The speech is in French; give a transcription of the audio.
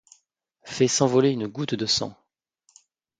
Fait s'envoler une goutte de sang.